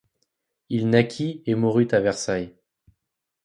Il naquit et mourut à Versailles.